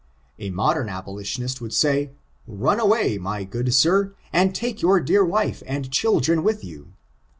A modem abolitionist would say, "Run away, my good sir, and take your dear wife and children with you.